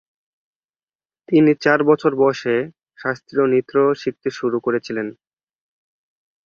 তিনি চার বছর বয়সে শাস্ত্রীয় নৃত্য শিখতে শুরু করেছিলেন।